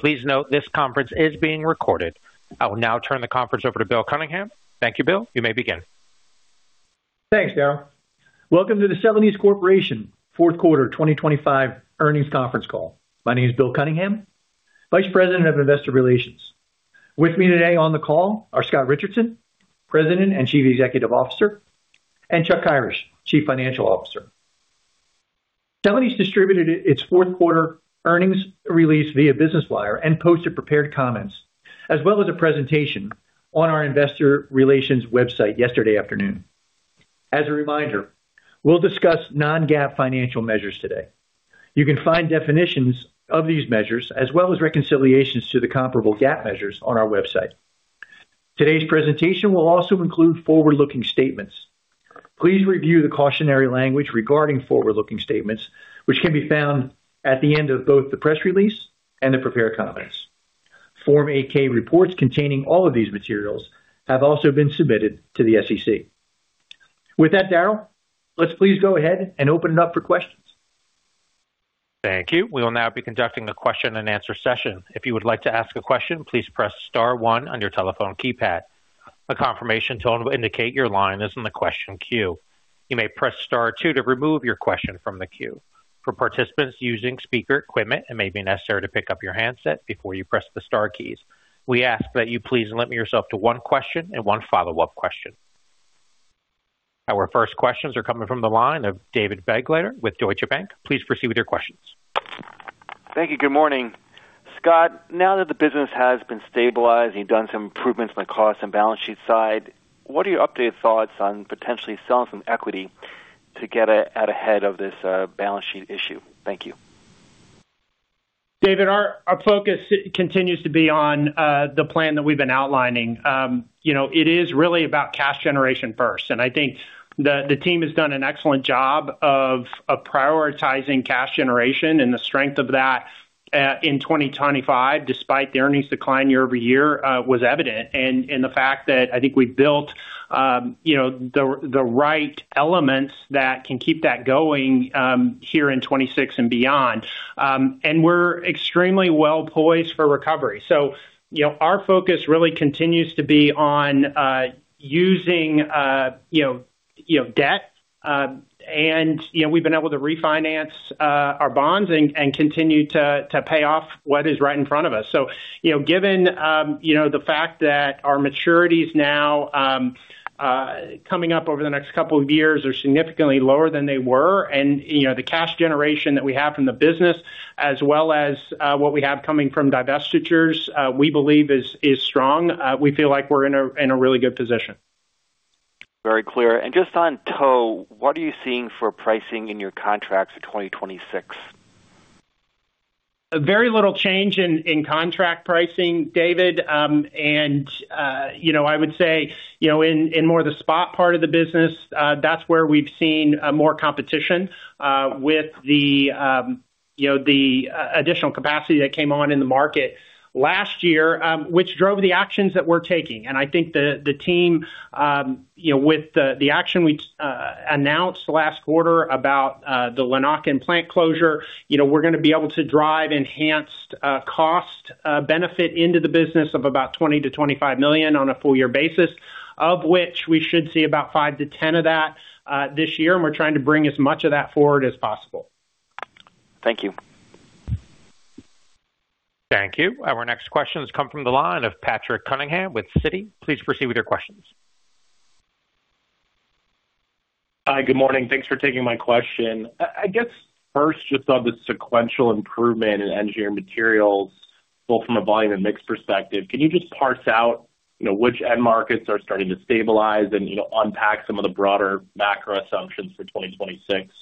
Please note, this conference is being recorded. I will now turn the conference over to Bill Cunningham. Thank you, Bill. You may begin. Thanks, Daryl. Welcome to the Celanese Corporation fourth quarter 2025 earnings conference call. My name is Bill Cunningham, Vice President of Investor Relations. With me today on the call are Scott Richardson, President and Chief Executive Officer, and Chuck Kyrish, Chief Financial Officer. Celanese distributed its fourth quarter earnings release via Business Wire and posted prepared comments, as well as a presentation on our Investor Relations website yesterday afternoon. As a reminder, we'll discuss non-GAAP financial measures today. You can find definitions of these measures, as well as reconciliations to the comparable GAAP measures on our website. Today's presentation will also include forward-looking statements. Please review the cautionary language regarding forward-looking statements, which can be found at the end of both the press release and the prepared comments. Form 8-K reports containing all of these materials have also been submitted to the SEC. With that, Daryl, let's please go ahead and open it up for questions. Thank you. We will now be conducting a question-and-answer session. If you would like to ask a question, please press star one on your telephone keypad. A confirmation tone will indicate your line is in the question queue. You may press star two to remove your question from the queue. For participants using speaker equipment, it may be necessary to pick up your handset before you press the star keys. We ask that you please limit yourself to one question and one follow-up question. Our first questions are coming from the line of David Begleiter with Deutsche Bank. Please proceed with your questions. Thank you. Good morning. Scott, now that the business has been stabilized and you've done some improvements on the cost and balance sheet side, what are your updated thoughts on potentially selling some equity to get out ahead of this, balance sheet issue? Thank you. David, our focus continues to be on the plan that we've been outlining. You know, it is really about cash generation first, and I think the team has done an excellent job of prioritizing cash generation and the strength of that in 2025, despite the earnings decline year-over-year, was evident. And the fact that I think we built you know, the right elements that can keep that going here in 2026 and beyond. And we're extremely well poised for recovery. So, you know, our focus really continues to be on using you know, debt. And you know, we've been able to refinance our bonds and continue to pay off what is right in front of us. You know, given the fact that our maturities now coming up over the next couple of years are significantly lower than they were, and, you know, the cash generation that we have from the business, as well as what we have coming from divestitures, we believe is strong. We feel like we're in a really good position. Very clear. Just on tow, what are you seeing for pricing in your contracts for 2026? Very little change in contract pricing, David. And you know, I would say, you know, in more the spot part of the business, that's where we've seen more competition with the you know, the additional capacity that came on in the market last year, which drove the actions that we're taking. And I think the team you know, with the action we announced last quarter about the Lanaken plant closure, you know, we're gonna be able to drive enhanced cost benefit into the business of about $20 million-$25 million on a full year basis, of which we should see about $5 million-$10 million of that this year, and we're trying to bring as much of that forward as possible. Thank you. Thank you. Our next questions come from the line of Patrick Cunningham with Citi. Please proceed with your questions. Hi, good morning. Thanks for taking my question. I guess first, just on the sequential improvement in engineering materials, both from a volume and mix perspective, can you just parse out, you know, which end markets are starting to stabilize and, you know, unpack some of the broader macro assumptions for 2026?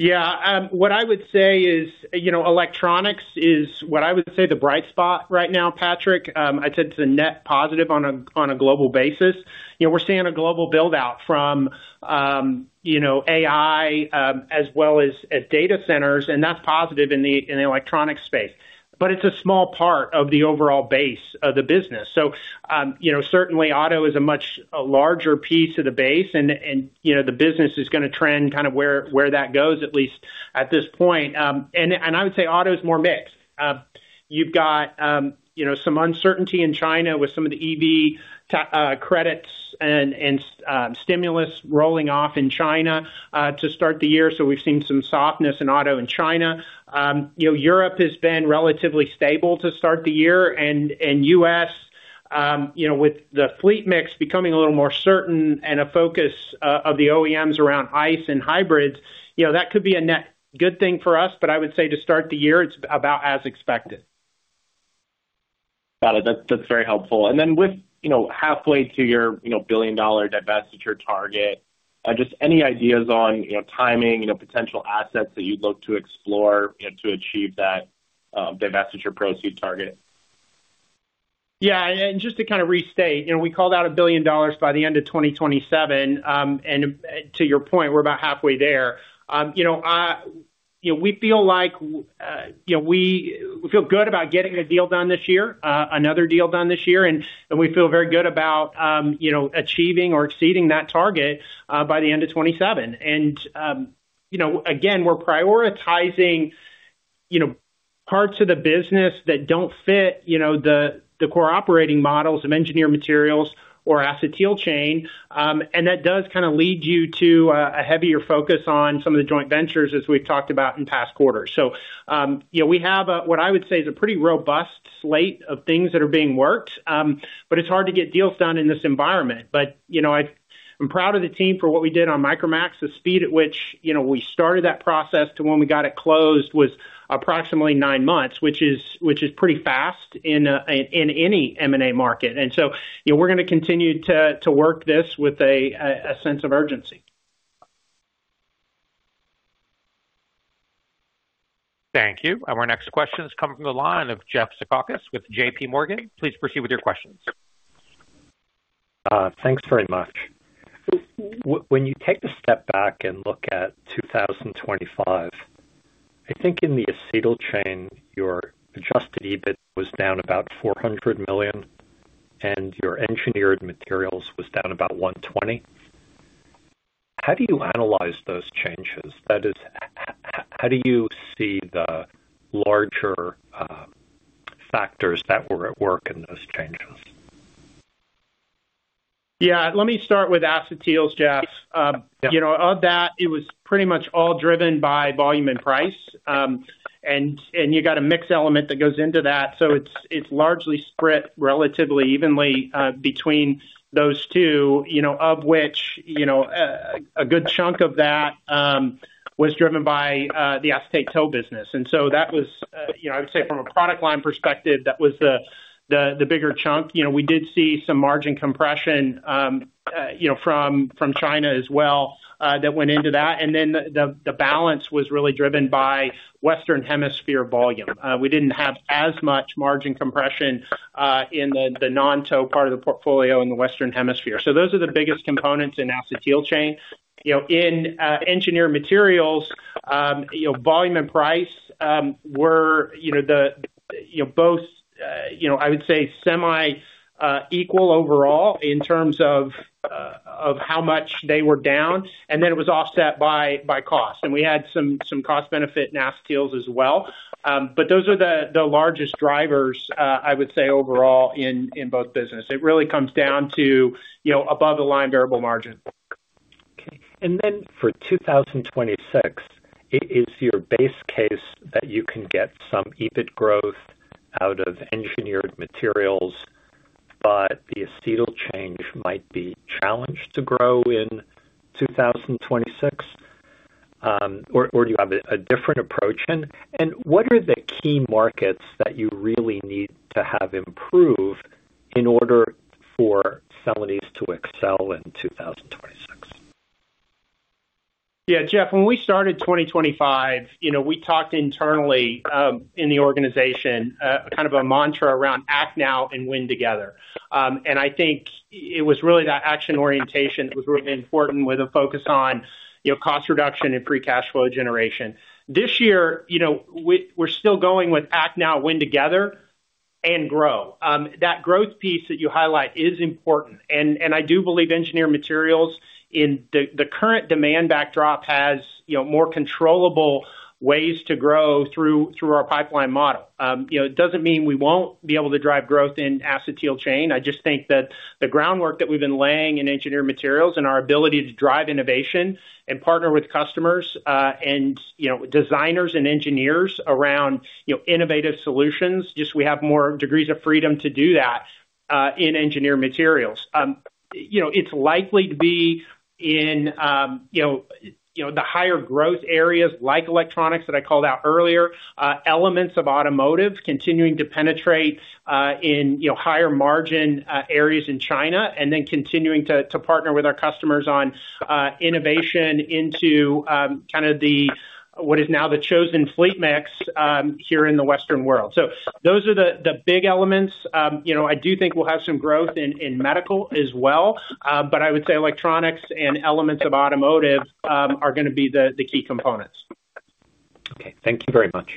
Yeah, what I would say is, you know, electronics is what I would say the bright spot right now, Patrick. I'd say it's a net positive on a global basis. You know, we're seeing a global build-out from, you know, AI, as well as at data centers, and that's positive in the electronic space, but it's a small part of the overall base of the business. So, you know, certainly auto is much larger piece of the base and, you know, the business is gonna trend kind of where that goes, at least at this point. And I would say auto is more mixed. You've got, you know, some uncertainty in China with some of the EV credits and stimulus rolling off in China, to start the year. So we've seen some softness in auto in China. You know, Europe has been relatively stable to start the year, and U.S., you know, with the fleet mix becoming a little more certain and a focus of the OEMs around ICE and hybrids, you know, that could be a net good thing for us, but I would say to start the year, it's about as expected. Got it. That's, that's very helpful. And then with, you know, halfway to your, you know, billion-dollar divestiture target, just any ideas on, you know, timing, you know, potential assets that you'd look to explore, you know, to achieve that, divestiture proceeds target? Yeah, and just to kind of restate, you know, we called out $1 billion by the end of 2027. And to your point, we're about halfway there. You know, you know, we feel like, you know, we feel good about getting a deal done this year, another deal done this year, and, and we feel very good about, you know, achieving or exceeding that target, by the end of 2027. And, you know, again, we're prioritizing you know, parts of the business that don't fit, you know, the, the core operating models of Engineered Materials or Acetyl Chain. And that does kind of lead you to, a heavier focus on some of the joint ventures, as we've talked about in past quarters. So, you know, we have, what I would say is a pretty robust slate of things that are being worked, but it's hard to get deals done in this environment. But, you know, I, I'm proud of the team for what we did on Micromax. The speed at which, you know, we started that process to when we got it closed was approximately nine months, which is, which is pretty fast in, in any M&A market. And so, you know, we're gonna continue to, to work this with a, a sense of urgency. Thank you. Our next question is coming from the line of Jeffrey Zekauskas with JPMorgan. Please proceed with your questions. Thanks very much. When you take a step back and look at 2025, I think in the Acetyl Chain, your Adjusted EBIT was down about $400 million, and your Engineered Materials was down about $120 million. How do you analyze those changes? That is, how do you see the larger factors that were at work in those changes? Yeah, let me start with acetyls, Jeff. You know, of that, it was pretty much all driven by volume and price. And you got a mix element that goes into that, so it's largely spread relatively evenly between those two, you know, of which, you know, a good chunk of that was driven by the acetate tow business. And so that was, you know, I'd say from a product line perspective, that was the bigger chunk. You know, we did see some margin compression, you know, from China as well, that went into that. And then the balance was really driven by Western Hemisphere volume. We didn't have as much margin compression in the non-tow part of the portfolio in the Western Hemisphere. So those are the biggest components in Acetyl Chain. You know, in, engineered materials, you know, volume and price, were, you know, the, you know, both, you know, I would say semi, equal overall in terms of, of how much they were down, and then it was offset by, by cost. And we had some, some cost benefit in acetyls as well. But those are the, the largest drivers, I would say, overall in, in both business. It really comes down to, you know, above the line variable margin. Okay. And then for 2026, is your base case that you can get some EBIT growth out of Engineered Materials, but the Acetyl Chain might be challenged to grow in 2026? Or do you have a different approach? And what are the key markets that you really need to have improved in order for Celanese to excel in 2026? Yeah, Jeff, when we started 2025, you know, we talked internally in the organization kind of a mantra around act now and win together. And I think it was really that action orientation that was really important with a focus on, you know, cost reduction and free cash flow generation. This year, you know, we're still going with act now, win together and grow. That growth piece that you highlight is important, and I do believe engineered materials in the current demand backdrop has, you know, more controllable ways to grow through our pipeline model. You know, it doesn't mean we won't be able to drive growth in Acetyl Chain. I just think that the groundwork that we've been laying in Engineered Materials and our ability to drive innovation and partner with customers, and, you know, designers and engineers around, you know, innovative solutions, just we have more degrees of freedom to do that, in Engineered Materials. You know, it's likely to be in, you know, you know, the higher growth areas like electronics that I called out earlier, elements of automotive continuing to penetrate, in, you know, higher margin, areas in China, and then continuing to, to partner with our customers on, innovation into, kind of the, what is now the chosen fleet mix, here in the Western world. So those are the, the big elements. You know, I do think we'll have some growth in medical as well, but I would say electronics and elements of automotive are gonna be the key components. Okay. Thank you very much.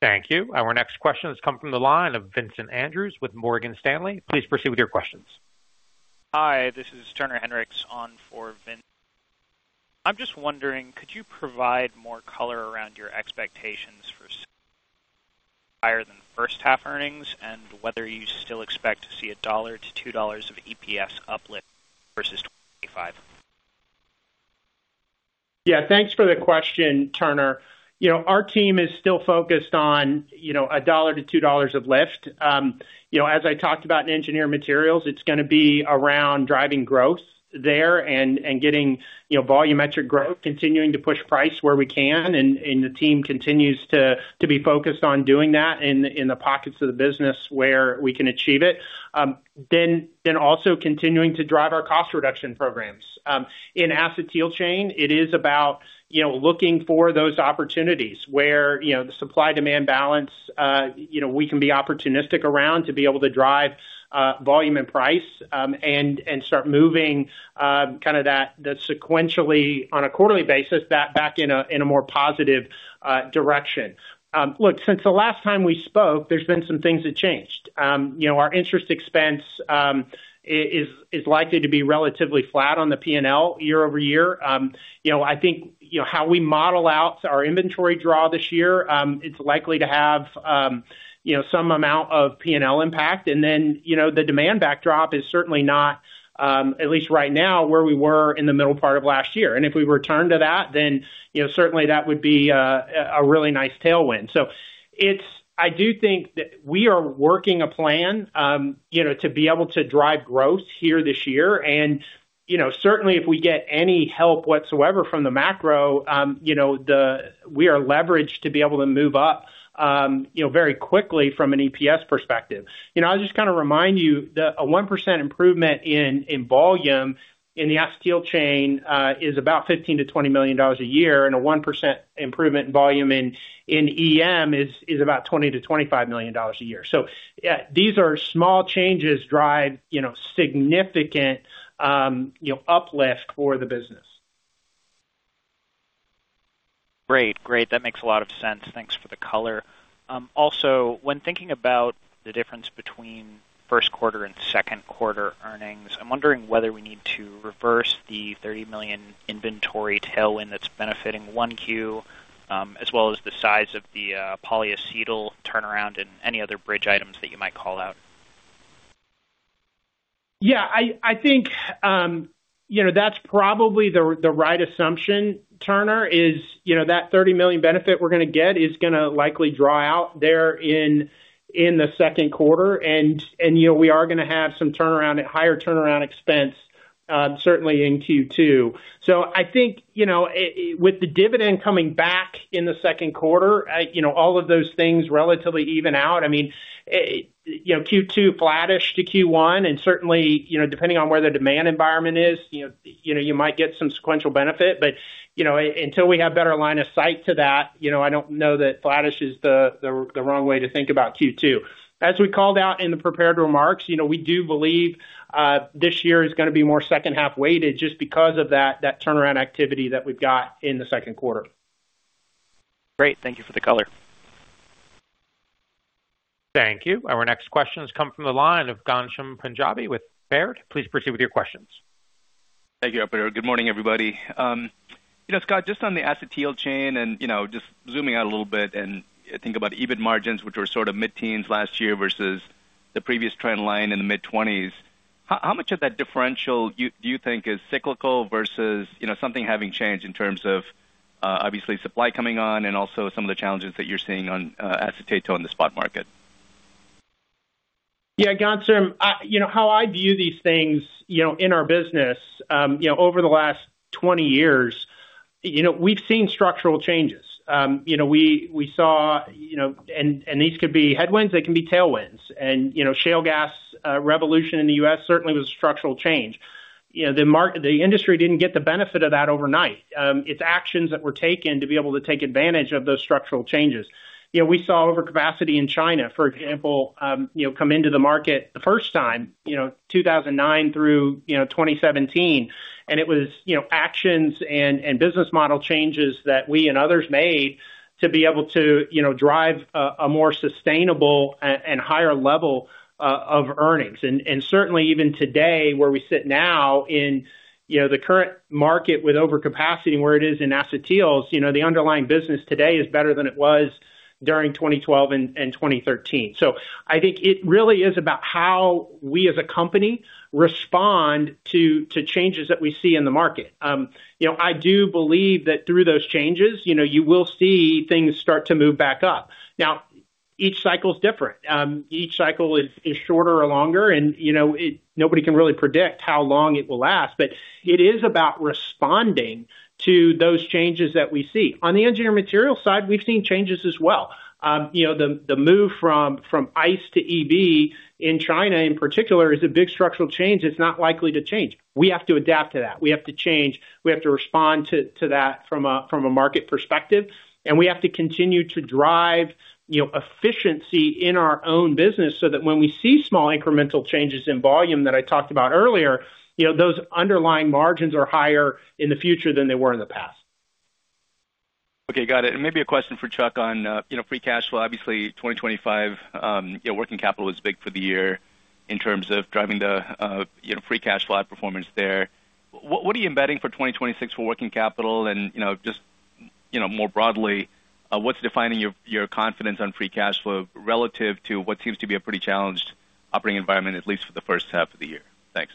Thank you. Our next question has come from the line of Vincent Andrews with Morgan Stanley. Please proceed with your questions. Hi, this is Turner Hendricks on for Vin. I'm just wondering, could you provide more color around your expectations for higher than first half earnings, and whether you still expect to see a $1-$2 of EPS uplift versus 2025?... Yeah, thanks for the question, Turner. You know, our team is still focused on, you know, $1-$2 of lift. You know, as I talked about in Engineered Materials, it's gonna be around driving growth there and getting, you know, volumetric growth, continuing to push price where we can, and the team continues to be focused on doing that in the pockets of the business where we can achieve it. Then also continuing to drive our cost reduction programs. In Acetyl Chain, it is about, you know, looking for those opportunities where, you know, the supply-demand balance, you know, we can be opportunistic around to be able to drive, volume and price, and, and start moving, kind of that, that sequentially on a quarterly basis, back, back in a, in a more positive, direction. Look, since the last time we spoke, there's been some things that changed. You know, our interest expense is likely to be relatively flat on the P&L year-over-year. You know, I think, you know, how we model out our inventory draw this year, it's likely to have, you know, some amount of P&L impact. And then, you know, the demand backdrop is certainly not, at least right now, where we were in the middle part of last year. If we return to that, then, you know, certainly that would be a really nice tailwind. So it's. I do think that we are working a plan, you know, to be able to drive growth here this year. You know, certainly, if we get any help whatsoever from the macro, you know, the. We are leveraged to be able to move up, you know, very quickly from an EPS perspective. You know, I'll just kind of remind you that a 1% improvement in volume in the Acetyl Chain is about $15 million-$20 million a year, and a 1% improvement in volume in EM is about $20 million-$25 million a year. So, yeah, these are small changes drive, you know, significant, you know, uplift for the business. Great. Great, that makes a lot of sense. Thanks for the color. Also, when thinking about the difference between first quarter and second quarter earnings, I'm wondering whether we need to reverse the $30 million inventory tailwind that's benefiting 1Q, as well as the size of the Polyacetal turnaround and any other bridge items that you might call out? Yeah, I think, you know, that's probably the right assumption, Turner, is, you know, that $30 million benefit we're gonna get is gonna likely dry out there in the second quarter. And, you know, we are gonna have some turnaround, higher turnaround expense, certainly in Q2. So I think, you know, with the dividend coming back in the second quarter, you know, all of those things relatively even out, I mean, you know, Q2 flattish to Q1, and certainly, you know, depending on where the demand environment is, you know, you might get some sequential benefit. But, you know, until we have better line of sight to that, you know, I don't know that flattish is the wrong way to think about Q2. As we called out in the prepared remarks, you know, we do believe this year is gonna be more second half weighted just because of that turnaround activity that we've got in the second quarter. Great. Thank you for the color. Thank you. Our next question has come from the line of Ghansham Panjabi with Baird. Please proceed with your questions. Thank you, operator. Good morning, everybody. You know, Scott, just on the Acetyl Chain and, you know, just zooming out a little bit and think about EBIT margins, which were sort of mid-teens last year versus the previous trend line in the mid-twenties. How much of that differential do you think is cyclical versus, you know, something having changed in terms of, obviously supply coming on and also some of the challenges that you're seeing on, Acetyl on the spot market? Yeah, Ghansham, you know, how I view these things, you know, in our business, you know, over the last 20 years, you know, we've seen structural changes. You know, we saw, you know, and these could be headwinds, they can be tailwinds. And, you know, shale gas revolution in the U.S. certainly was a structural change. You know, the industry didn't get the benefit of that overnight. It's actions that were taken to be able to take advantage of those structural changes. You know, we saw overcapacity in China, for example, you know, come into the market the first time, you know, 2009 through, you know, 2017. It was, you know, actions and business model changes that we and others made to be able to, you know, drive a more sustainable and higher level of earnings. Certainly even today, where we sit now in, you know, the current market with overcapacity, and where it is in acetyls, you know, the underlying business today is better than it was during 2012 and 2013. So I think it really is about how we as a company respond to changes that we see in the market. You know, I do believe that through those changes, you know, you will see things start to move back up. Now, each cycle is different. Each cycle is shorter or longer, and, you know, it, nobody can really predict how long it will last, but it is about responding to those changes that we see. On the Engineered Materials side, we've seen changes as well. You know, the move from ICE to EV in China in particular is a big structural change. It's not likely to change. We have to adapt to that. We have to change, we have to respond to that from a market perspective, and we have to continue to drive, you know, efficiency in our own business so that when we see small incremental changes in volume that I talked about earlier, you know, those underlying margins are higher in the future than they were in the past. Okay, got it. And maybe a question for Chuck on, you know, free cash flow. Obviously, 2025, you know, working capital was big for the year in terms of driving the, you know, free cash flow outperformance there. What are you embedding for 2026 for working capital and, you know, more broadly, what's defining your, your confidence on free cash flow relative to what seems to be a pretty challenged operating environment, at least for the first half of the year? Thanks.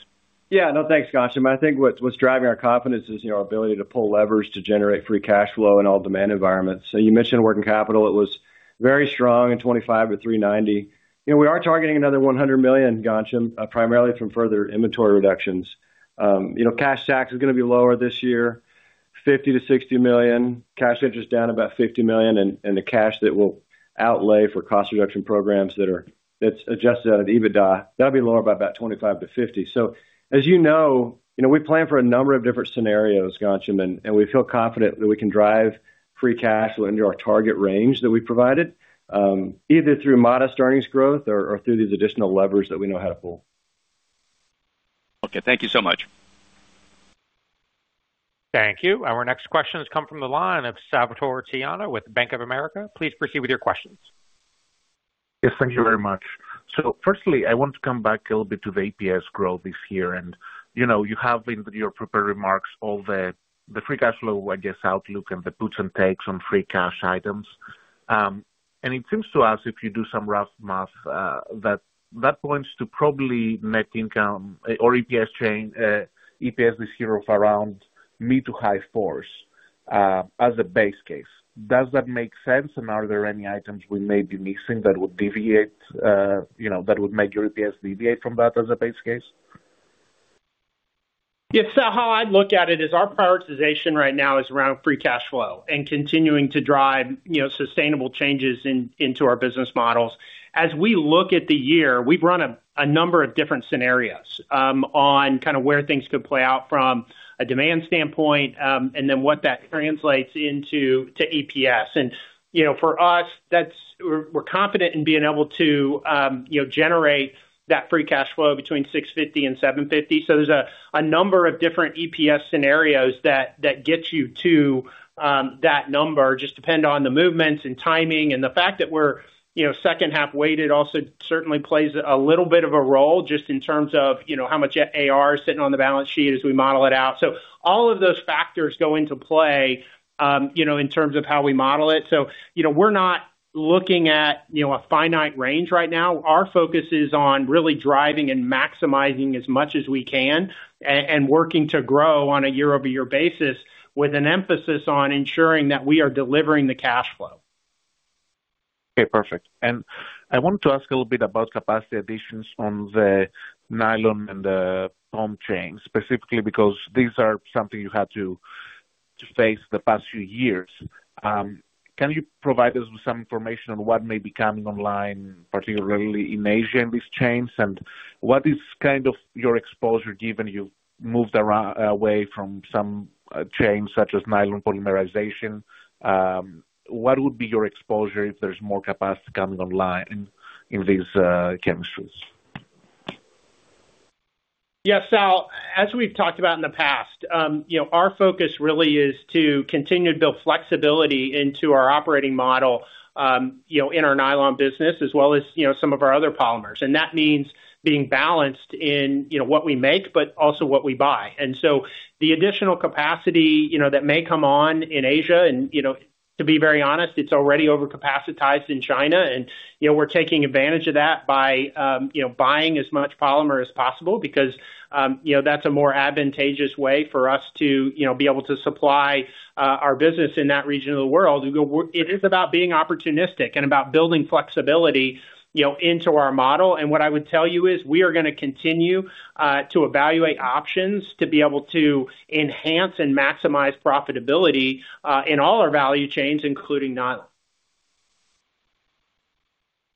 Yeah. No, thanks, Ghansham. I think what's, what's driving our confidence is, you know, our ability to pull levers to generate free cash flow in all demand environments. You mentioned working capital. It was very strong in 25 to 390. You know, we are targeting another $100 million, Ghansham, you know, primarily from further inventory reductions. You know, cash tax is gonna be lower this year, $50 million-$60 million. Cash interest is down about $50 million, and the cash that will outlay for cost reduction programs that are- that's adjusted out of EBITDA, that'll be lower by about $25-$50. So, as you know, you know, we plan for a number of different scenarios, Ghansham, and we feel confident that we can drive free cash flow into our target range that we provided, either through modest earnings growth or through these additional levers that we know how to pull. Okay, thank you so much. Thank you. Our next question has come from the line of Salvator Tiano with Bank of America. Please proceed with your questions. Yes, thank you very much. So firstly, I want to come back a little bit to the APS growth this year, and, you know, you have in your prepared remarks all the free cash flow, I guess, outlook and the puts and takes on free cash items. And it seems to us, if you do some rough math, that points to probably net income or EPS change, EPS this year of around mid- to high-4s, as a base case. Does that make sense? And are there any items we may be missing that would deviate, you know, that would make your EPS deviate from that as a base case? Yes, Sal, how I'd look at it is our prioritization right now is around free cash flow and continuing to drive, you know, sustainable changes in, into our business models. As we look at the year, we've run a number of different scenarios on kind of where things could play out from a demand standpoint, and then what that translates into to EPS. And, you know, for us, that's, we're confident in being able to, you know, generate that free cash flow between $650 million and $750 million. So there's a number of different EPS scenarios that get you to that number, just depend on the movements and timing and the fact that we're, you know, second half weighted also certainly plays a little bit of a role just in terms of, you know, how much AR is sitting on the balance sheet as we model it out. So all of those factors go into play, you know, in terms of how we model it. So, you know, we're not looking at a finite range right now. Our focus is on really driving and maximizing as much as we can and working to grow on a year-over-year basis, with an emphasis on ensuring that we are delivering the cash flow. Okay, perfect. I wanted to ask a little bit about capacity additions on the Nylon and the POM chains, specifically because these are something you had to face the past few years. Can you provide us with some information on what may be coming online, particularly in Asia, in these chains? And what is kind of your exposure, given you've moved away from some chains, such as Nylon polymerization? What would be your exposure if there's more capacity coming online in these chemistries? Yeah, Sal, as we've talked about in the past, you know, our focus really is to continue to build flexibility into our operating model, you know, in our Nylon business, as well as, you know, some of our other polymers. And that means being balanced in, you know, what we make, but also what we buy. And so the additional capacity, you know, that may come on in Asia, and, you know, to be very honest, it's already overcapacitated in China, and, you know, we're taking advantage of that by, you know, buying as much polymer as possible because, you know, that's a more advantageous way for us to, you know, be able to supply our business in that region of the world. It is about being opportunistic and about building flexibility, you know, into our model, and what I would tell you is, we are gonna continue to evaluate options to be able to enhance and maximize profitability in all our value chains, including Nylon.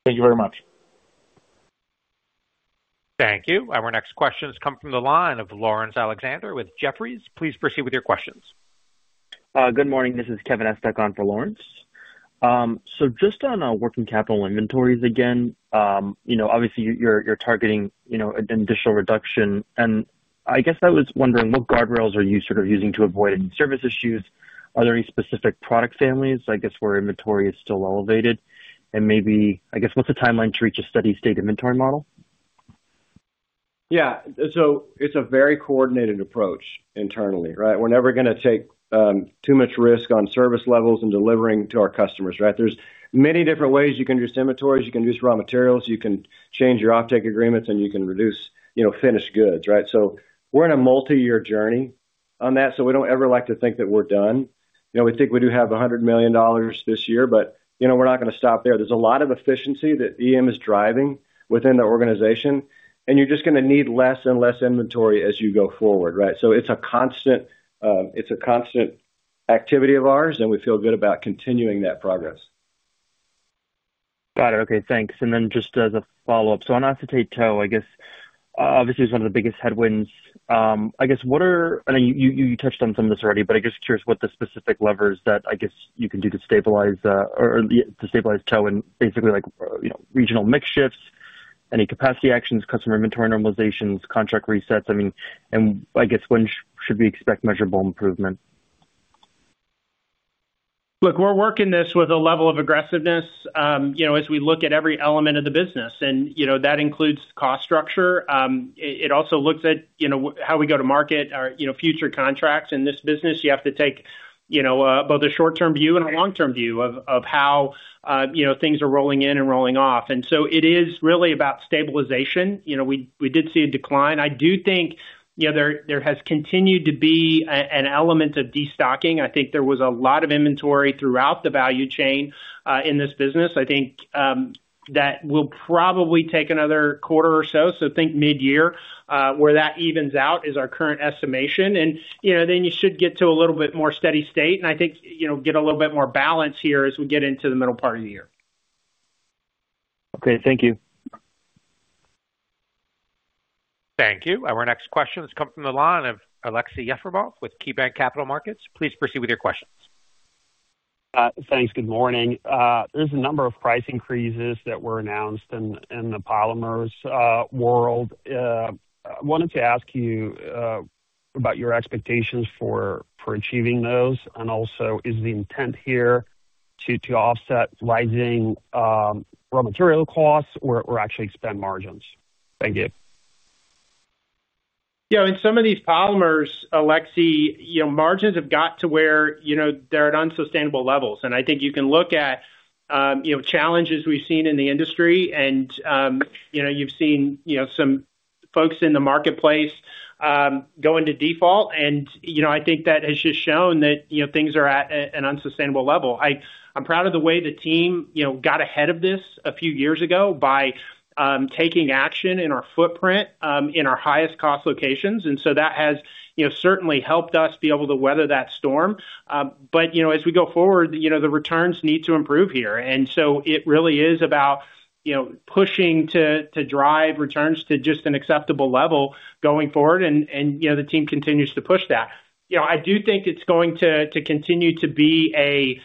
Thank you very much. Thank you. Our next question has come from the line of Lawrence Alexander with Jefferies. Please proceed with your questions. Good morning. This is Kevin Estok for Lawrence. So just on working capital inventories again, you know, obviously you're targeting, you know, an additional reduction, and I guess I was wondering, what guardrails are you sort of using to avoid service issues? Are there any specific product families, I guess, where inventory is still elevated? And maybe, I guess, what's the timeline to reach a steady state inventory model? Yeah. So it's a very coordinated approach internally, right? We're never gonna take too much risk on service levels and delivering to our customers, right? There's many different ways you can reduce inventories. You can reduce raw materials, you can change your offtake agreements, and you can reduce, you know, finished goods, right? So we're in a multiyear journey on that, so we don't ever like to think that we're done. You know, we think we do have $100 million this year, but, you know, we're not gonna stop there. There's a lot of efficiency that EM is driving within the organization, and you're just gonna need less and less inventory as you go forward, right? So it's a constant, it's a constant activity of ours, and we feel good about continuing that progress. Got it. Okay, thanks. And then just as a follow-up, so on acetate tow, I guess, obviously one of the biggest headwinds, I guess, what are... I know you, you touched on some of this already, but I guess curious what the specific levers that, I guess, you can do to stabilize to stabilize tow and basically, like, you know, regional mix shifts, any capacity actions, customer inventory normalizations, contract resets, I mean, and I guess when should we expect measurable improvement? Look, we're working this with a level of aggressiveness, you know, as we look at every element of the business, and, you know, that includes cost structure. It also looks at, you know, how we go to market, our, you know, future contracts. In this business, you have to take you know, both a short-term view and a long-term view of, of how, you know, things are rolling in and rolling off. And so it is really about stabilization. You know, we, we did see a decline. I do think, you know, there, there has continued to be a, an element of destocking. I think there was a lot of inventory throughout the value chain, in this business. I think, that will probably take another quarter or so. So think mid-year, where that evens out is our current estimation. You know, then you should get to a little bit more steady state, and I think, you know, get a little bit more balance here as we get into the middle part of the year. Okay, thank you. Thank you. Our next question has come from the line of Aleksey Yefremov with KeyBanc Capital Markets. Please proceed with your questions. Thanks. Good morning. There's a number of price increases that were announced in the polymers world. I wanted to ask you about your expectations for achieving those. And also, is the intent here to offset rising raw material costs or actually expand margins? Thank you. Yeah, in some of these polymers, Aleksey, you know, margins have got to where, you know, they're at unsustainable levels. And I think you can look at, you know, challenges we've seen in the industry and, you know, you've seen, you know, some folks in the marketplace, go into default. And, you know, I think that has just shown that, you know, things are at an unsustainable level. I'm proud of the way the team, you know, got ahead of this a few years ago by, taking action in our footprint, in our highest cost locations, and so that has, you know, certainly helped us be able to weather that storm. But, you know, as we go forward, you know, the returns need to improve here. So it really is about, you know, pushing to drive returns to just an acceptable level going forward and, you know, the team continues to push that. You know, I do think it's going to continue to be a...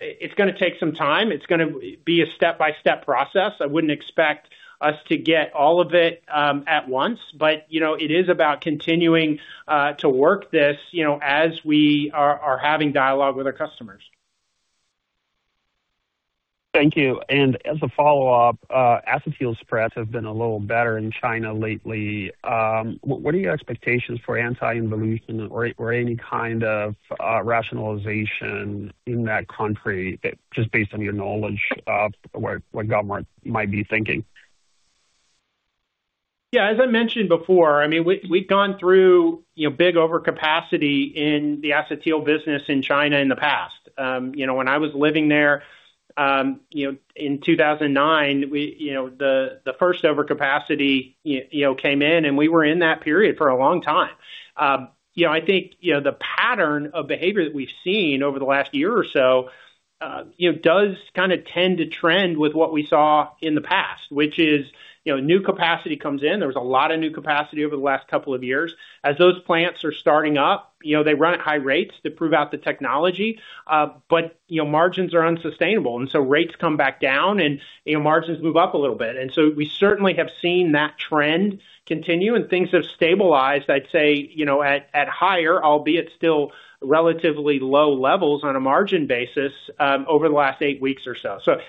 It's gonna take some time. It's gonna be a step-by-step process. I wouldn't expect us to get all of it at once, but, you know, it is about continuing to work this, you know, as we are having dialogue with our customers. Thank you. And as a follow-up, Acetyl spreads have been a little better in China lately. What are your expectations for anti-involution or any kind of rationalization in that country, just based on your knowledge of what government might be thinking? Yeah, as I mentioned before, I mean, we've gone through, you know, big overcapacity in the acetyl business in China in the past. You know, when I was living there, you know, in 2009, we, you know, the first overcapacity, you know, came in, and we were in that period for a long time. You know, I think, you know, the pattern of behavior that we've seen over the last year or so, you know, does kind of tend to trend with what we saw in the past, which is, you know, new capacity comes in. There was a lot of new capacity over the last couple of years. As those plants are starting up, you know, they run at high rates to prove out the technology, but, you know, margins are unsustainable, and so rates come back down and, you know, margins move up a little bit. And so we certainly have seen that trend continue, and things have stabilized, I'd say, you know, at, at higher, albeit still relatively low levels on a margin basis, over the last eight weeks or so. So,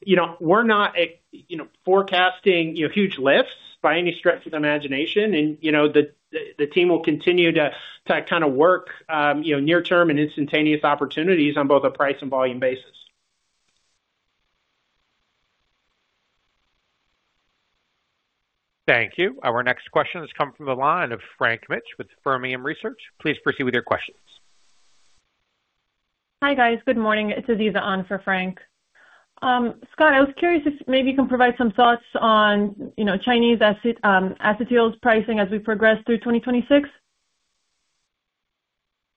you know, we're not at, you know, forecasting, you know, huge lifts by any stretch of the imagination. And, you know, the, the, the team will continue to, to kind of work, you know, near term and instantaneous opportunities on both a price and volume basis. Thank you. Our next question has come from the line of Frank Mitsch with Fermium Research. Please proceed with your questions. Hi, guys. Good morning. It's Aziza on for Frank. Scott, I was curious if maybe you can provide some thoughts on, you know, Chinese acetyls pricing as we progress through 2026.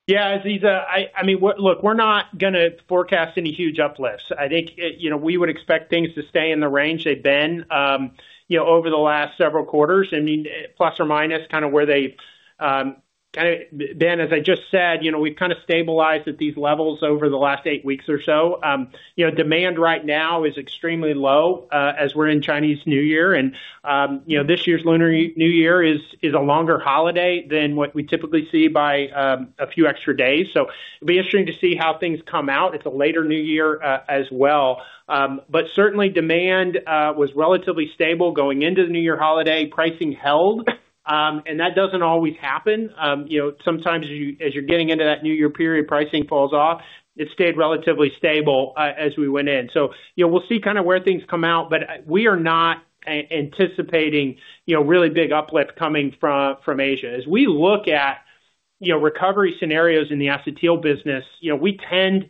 Yeah, Aziza, I mean, look, we're not gonna forecast any huge uplifts. I think, you know, we would expect things to stay in the range they've been, you know, over the last several quarters. I mean, plus or minus, kind of where they kind of... Ben, as I just said, you know, we've kind of stabilized at these levels over the last eight weeks or so. You know, demand right now is extremely low, as we're in Chinese New Year. And you know, this year's Lunar New Year is a longer holiday than what we typically see by a few extra days. So it'll be interesting to see how things come out. It's a later New Year, as well. But certainly demand was relatively stable going into the New Year holiday. Pricing held, and that doesn't always happen. You know, sometimes as you're getting into that New Year period, pricing falls off. It stayed relatively stable as we went in. So, you know, we'll see kind of where things come out, but we are not anticipating, you know, really big uplift coming from Asia. As we look at, you know, recovery scenarios in the acetyl business, you know, we tend to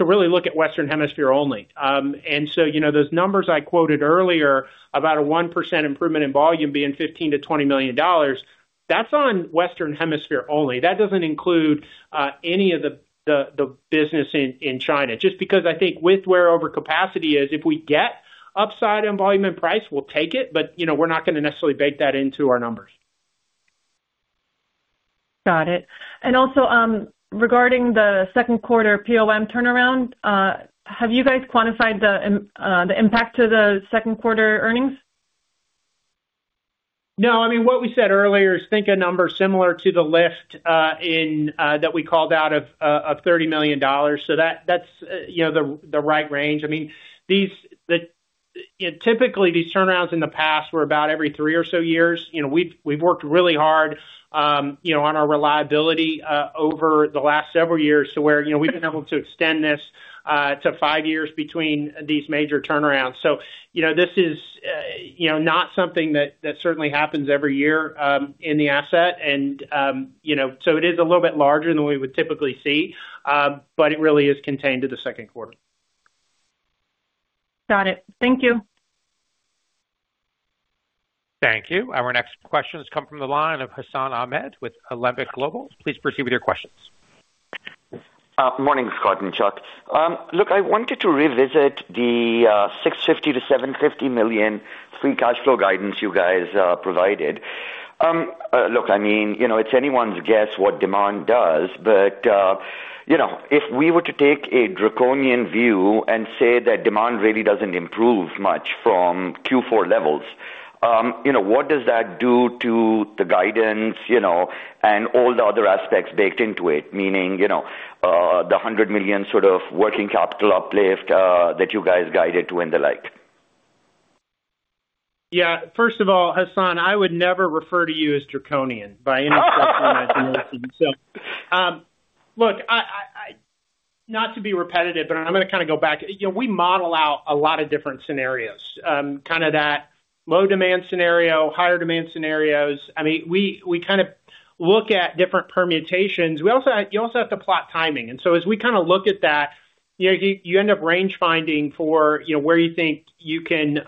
really look at Western Hemisphere only. And so, you know, those numbers I quoted earlier about a 1% improvement in volume being $15 million-$20 million, that's on Western Hemisphere only. That doesn't include any of the business in China, just because I think with where overcapacity is, if we get upside in volume and price, we'll take it, but, you know, we're not going to necessarily bake that into our numbers. Got it. And also, regarding the second quarter POM turnaround, have you guys quantified the impact to the second quarter earnings? No. I mean, what we said earlier is think a number similar to the lift, in, that we called out of, of $30 million. So that, that's, you know, the, the right range. I mean, yeah, typically, these turnarounds in the past were about every three or so years. You know, we've, we've worked really hard, you know, on our reliability, over the last several years to where, you know, we've been able to extend this, to five years between these major turnarounds. So, you know, this is, you know, not something that, that certainly happens every year, in the asset. And, you know, so it is a little bit larger than we would typically see, but it really is contained to the second quarter. Got it. Thank you. Thank you. Our next questions come from the line of Hassan Ahmed with Alembic Global. Please proceed with your questions. Good morning, Scott and Chuck. Look, I wanted to revisit the $650 million-$750 million free cash flow guidance you guys provided. Look, I mean, you know, it's anyone's guess what demand does, but you know, if we were to take a draconian view and say that demand really doesn't improve much from Q4 levels, you know, what does that do to the guidance, you know, and all the other aspects baked into it? Meaning, you know, the $100 million sort of working capital uplift that you guys guided to and the like. Yeah. First of all, Hassan, I would never refer to you as draconian by any stretch of the imagination. So, look, I not to be repetitive, but I'm gonna kind of go back. You know, we model out a lot of different scenarios, kind of that low demand scenario, higher demand scenarios. I mean, we kind of look at different permutations. We also have you also have to plot timing. And so as we kind of look at that, you know, you end up range finding for, you know, where you think you can,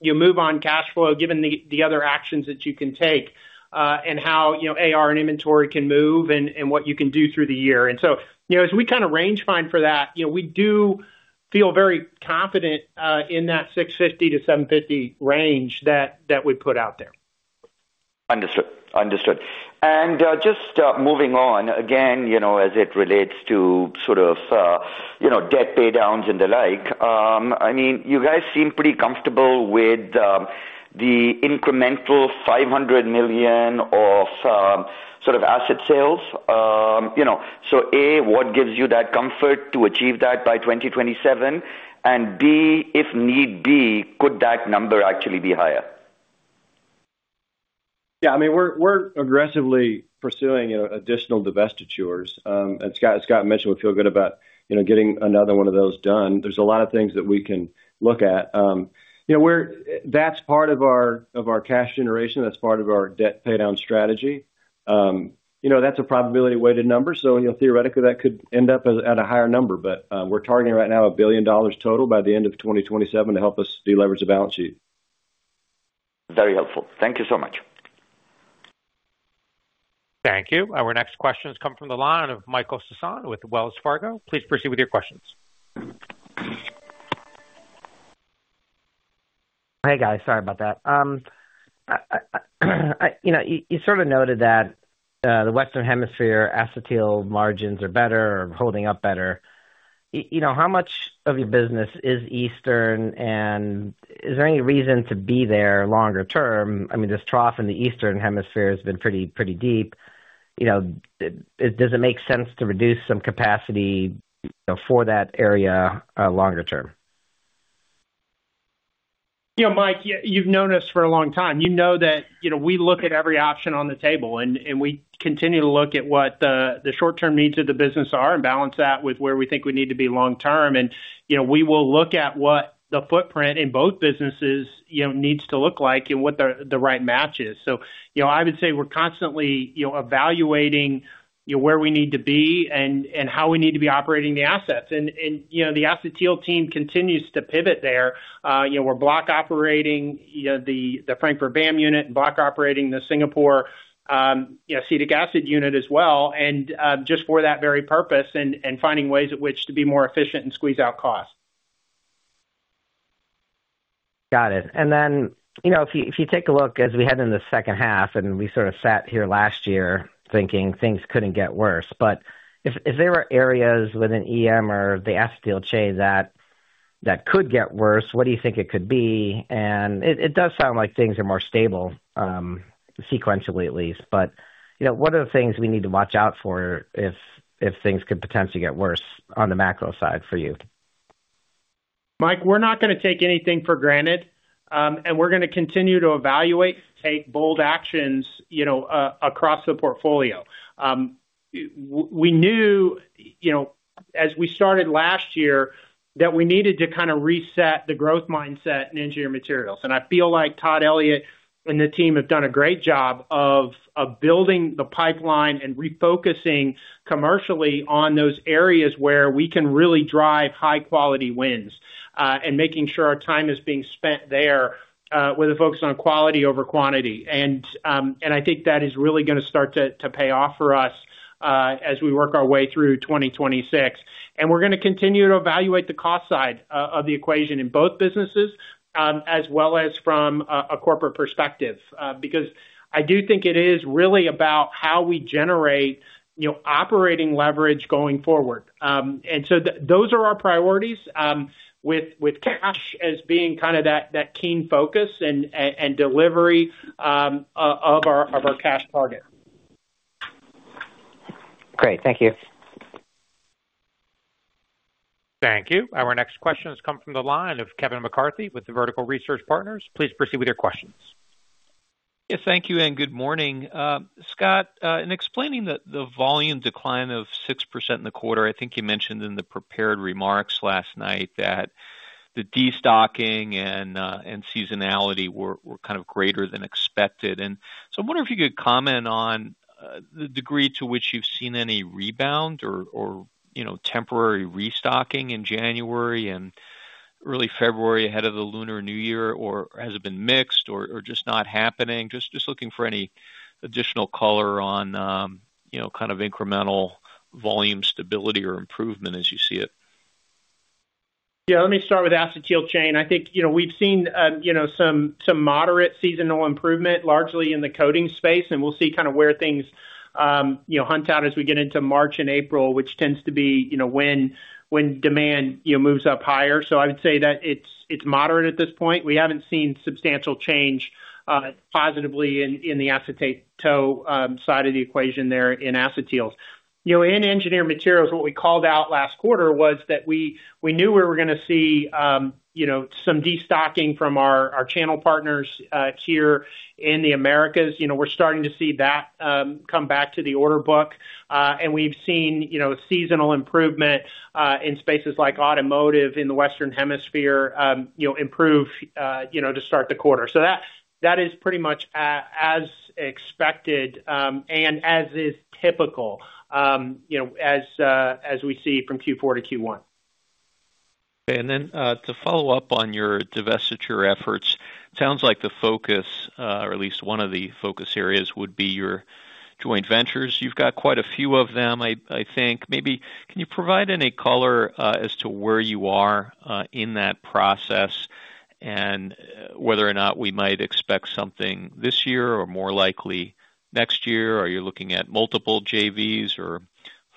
you move on cash flow, given the other actions that you can take, and how, you know, AR and inventory can move and what you can do through the year. So, you know, as we kind of range find for that, you know, we do feel very confident in that $650-$750 range that we put out there. Understood. Understood. Just moving on, again, you know, as it relates to sort of you know, debt paydowns and the like, I mean, you guys seem pretty comfortable with the incremental $500 million of sort of asset sales. You know, so A, what gives you that comfort to achieve that by 2027? And B, if need be, could that number actually be higher? Yeah, I mean, we're aggressively pursuing, you know, additional divestitures. And Scott, as Scott mentioned, we feel good about, you know, getting another one of those done. There's a lot of things that we can look at. You know, that's part of our cash generation, that's part of our debt paydown strategy. You know, that's a probability weighted number, so theoretically, that could end up at a higher number. But, we're targeting right now $1 billion total by the end of 2027 to help us deleverage the balance sheet. Very helpful. Thank you so much. Thank you. Our next question has come from the line of Michael Sison with Wells Fargo. Please proceed with your questions. Hey, guys, sorry about that. You know, you sort of noted that the Western Hemisphere acetyl margins are better or holding up better. You know, how much of your business is Eastern, and is there any reason to be there longer term? I mean, this trough in the Eastern Hemisphere has been pretty, pretty deep. You know, does it make sense to reduce some capacity, you know, for that area longer term? You know, Mike, you've known us for a long time. You know that, you know, we look at every option on the table, and we continue to look at what the short-term needs of the business are and balance that with where we think we need to be long term. And, you know, we will look at what the footprint in both businesses, you know, needs to look like and what the right match is. So, you know, I would say we're constantly, you know, evaluating, you know, where we need to be and how we need to be operating the assets. And, you know, the Acetyl team continues to pivot there. You know, we're block operating, you know, the Frankfurt VAM unit, block operating the Singapore acetic acid unit as well, and just for that very purpose and finding ways at which to be more efficient and squeeze out costs. Got it. And then, you know, if you take a look as we head into the second half, and we sort of sat here last year thinking things couldn't get worse. But if there were areas within EM or the Acetyl Chain that could get worse, what do you think it could be? And it does sound like things are more stable, sequentially at least. But, you know, what are the things we need to watch out for if things could potentially get worse on the macro side for you? Mike, we're not gonna take anything for granted, and we're gonna continue to evaluate, take bold actions, you know, across the portfolio. We knew, you know, as we started last year, that we needed to kind of reset the growth mindset in Engineered Materials. And I feel like Todd Elliott and the team have done a great job of building the pipeline and refocusing commercially on those areas where we can really drive high quality wins, and making sure our time is being spent there, with a focus on quality over quantity. And I think that is really gonna start to pay off for us, as we work our way through 2026. We're gonna continue to evaluate the cost side of the equation in both businesses, as well as from a corporate perspective, because I do think it is really about how we generate, you know, operating leverage going forward. So those are our priorities, with cash as being kind of that keen focus and delivery of our cash target.... Great. Thank you. Thank you. Our next question has come from the line of Kevin McCarthy with the Vertical Research Partners. Please proceed with your questions. Yeah, thank you, and good morning. Scott, in explaining the, the volume decline of 6% in the quarter, I think you mentioned in the prepared remarks last night that the destocking and, and seasonality were, were kind of greater than expected. And so I wonder if you could comment on, the degree to which you've seen any rebound or, or, you know, temporary restocking in January and early February ahead of the Lunar New Year, or has it been mixed or, or just not happening? Just, just looking for any additional color on, you know, kind of incremental volume stability or improvement as you see it. Yeah, let me start with the Acetyl Chain. I think, you know, we've seen, you know, some moderate seasonal improvement, largely in the coatings space, and we'll see kind of where things, you know, pan out as we get into March and April, which tends to be, you know, when demand, you know, moves up higher. So I would say that it's moderate at this point. We haven't seen substantial change, positively in the acetate tow side of the equation there in acetyls. You know, in Engineered Materials, what we called out last quarter was that we knew we were gonna see some destocking from our channel partners here in the Americas. You know, we're starting to see that come back to the order book. And we've seen, you know, seasonal improvement in spaces like automotive in the Western Hemisphere, you know, to start the quarter. So that is pretty much as expected, and as is typical, you know, as we see from Q4 to Q1. Okay, and then, to follow up on your divestiture efforts, sounds like the focus, or at least one of the focus areas, would be your joint ventures. You've got quite a few of them, I think. Maybe can you provide any color, as to where you are, in that process and whether or not we might expect something this year or more likely next year? Are you looking at multiple JVs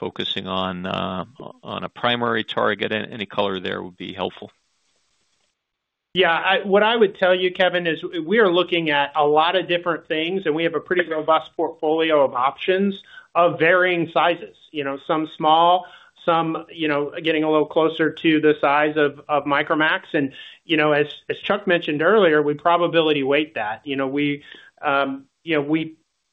or focusing on a primary target? Any color there would be helpful. Yeah, what I would tell you, Kevin, is we are looking at a lot of different things, and we have a pretty robust portfolio of options of varying sizes. You know, some small, some, you know, getting a little closer to the size of Micromax. And, you know, as Chuck mentioned earlier, we probability weight that. You know, we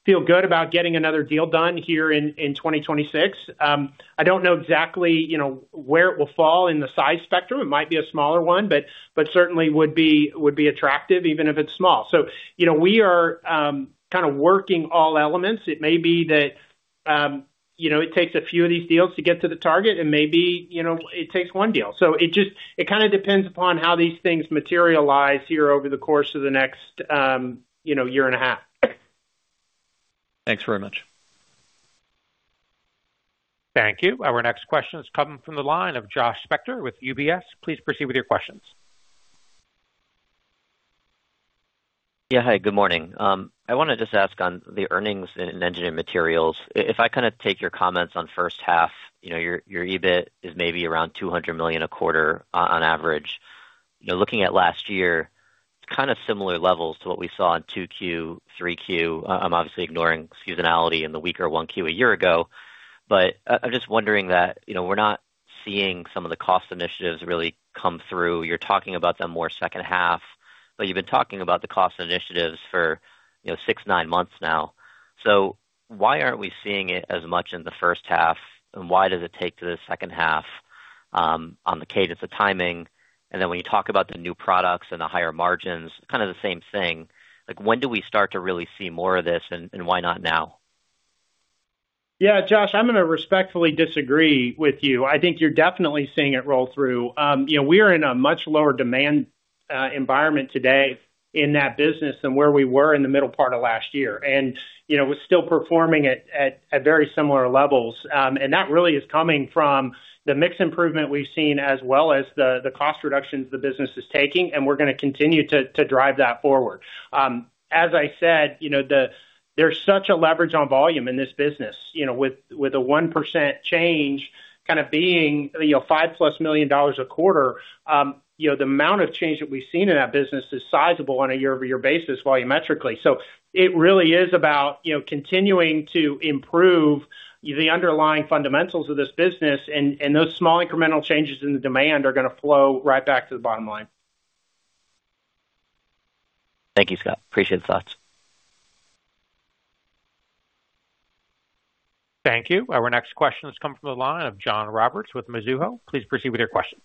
feel good about getting another deal done here in 2026. I don't know exactly, you know, where it will fall in the size spectrum. It might be a smaller one, but certainly would be attractive even if it's small. So, you know, we are kind of working all elements. It may be that, you know, it takes a few of these deals to get to the target, and maybe, you know, it takes one deal. It just, it kind of depends upon how these things materialize here over the course of the next, you know, year and 1/2. Thanks very much. Thank you. Our next question is coming from the line of Josh Spector with UBS. Please proceed with your questions. Yeah. Hi, good morning. I want to just ask on the earnings and Engineered Materials. If I kind of take your comments on first half, you know, your, your EBIT is maybe around $200 million 1/4 on average. You know, looking at last year, kind of similar levels to what we saw in 2Q, 3Q. I'm obviously ignoring seasonality in the weaker 1Q a year ago, but I'm just wondering that, you know, we're not seeing some of the cost initiatives really come through. You're talking about them more second half, but you've been talking about the cost initiatives for, you know, 6, 9 months now. So why aren't we seeing it as much in the first half? And why does it take to the second half, on the cadence of timing? Then when you talk about the new products and the higher margins, kind of the same thing, like, when do we start to really see more of this, and why not now? Yeah, Josh, I'm gonna respectfully disagree with you. I think you're definitely seeing it roll through. You know, we are in a much lower demand environment today in that business than where we were in the middle part of last year. And, you know, we're still performing at very similar levels. And that really is coming from the mix improvement we've seen, as well as the cost reductions the business is taking, and we're gonna continue to drive that forward. As I said, you know, there's such a leverage on volume in this business, you know, with a 1% change kind of being, you know, $5+ million 1/4. You know, the amount of change that we've seen in that business is sizable on a year-over-year basis, volumetrically. It really is about, you know, continuing to improve the underlying fundamentals of this business, and, and those small incremental changes in the demand are gonna flow right back to the bottom line. Thank you, Scott. Appreciate the thoughts. Thank you. Our next question has come from the line of John Roberts with Mizuho. Please proceed with your questions.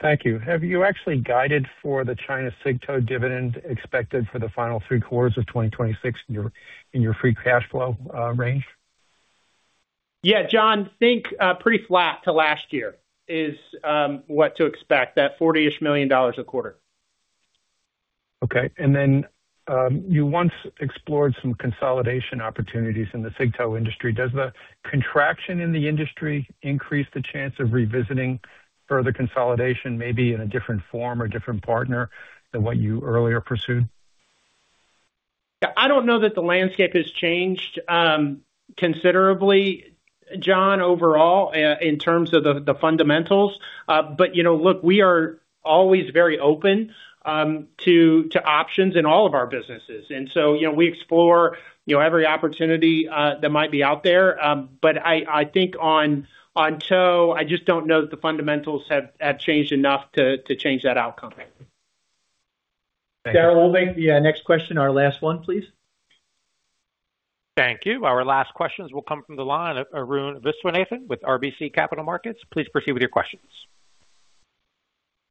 Thank you. Have you actually guided for the China Tow dividend expected for the final three quarters of 2026 in your, in your free cash flow range? Yeah, John, think pretty flat to last year is what to expect, that $40-ish million 1/4. Okay. And then, you once explored some consolidation opportunities in the acetate tow industry. Does the contraction in the industry increase the chance of revisiting further consolidation, maybe in a different form or different partner than what you earlier pursued? Yeah, I don't know that the landscape has changed considerably, John, overall, in terms of the fundamentals. But, you know, look, we are always very open to options in all of our businesses. And so, you know, we explore every opportunity that might be out there. But I think on tow, I just don't know that the fundamentals have changed enough to change that outcome. Thank you. Daryl, we'll make the next question our last one, please. Thank you. Our last questions will come from the line of Arun Viswanathan with RBC Capital Markets. Please proceed with your questions.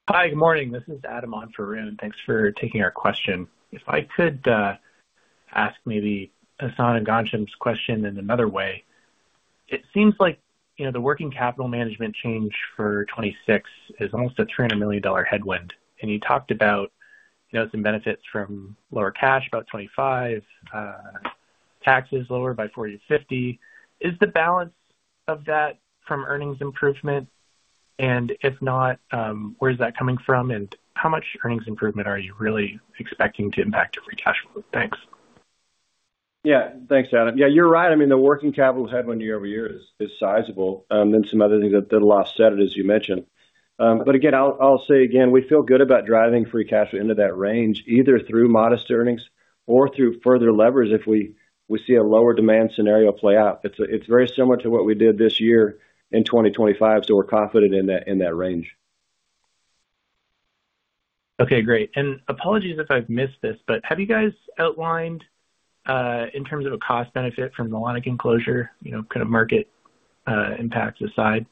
Hi, good morning. This is Adam on for Arun, and thanks for taking our question. If I could, ask maybe Hassan and Ghansham's question in another way. It seems like, you know, the working capital management change for 2026 is almost a $300 million headwind. And you talked about, you know, some benefits from lower cash, about $25 million, taxes lower by $40 million-$50 million. Is the balance of that from earnings improvement? And if not, where is that coming from? And how much earnings improvement are you really expecting to impact your free cash flow? Thanks. Yeah. Thanks, Adam. Yeah, you're right. I mean, the working capital headwind year-over-year is sizable, and some other things that a lot said it, as you mentioned. But again, I'll say again, we feel good about driving free cash flow into that range, either through modest earnings or through further levers if we see a lower demand scenario play out. It's very similar to what we did this year in 2025, so we're confident in that range. Okay, great. Apologies if I've missed this, but have you guys outlined, in terms of a cost benefit from the Lanaken closure, you know, kind of market impacts aside?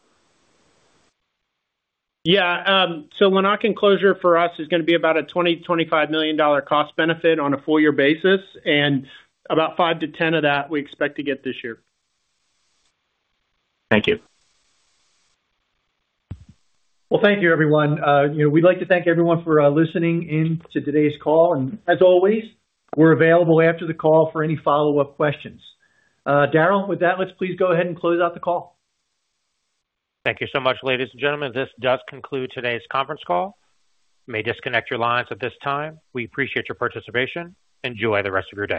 Yeah, so Lanaken closure for us is gonna be about a $20 million-$25 million cost benefit on a full year basis, and about $5-$10 of that we expect to get this year. Thank you. Well, thank you everyone. You know, we'd like to thank everyone for listening in to today's call, and as always, we're available after the call for any follow-up questions. Daryl, with that, let's please go ahead and close out the call. Thank you so much, ladies and gentlemen. This does conclude today's conference call. You may disconnect your lines at this time. We appreciate your participation. Enjoy the rest of your day.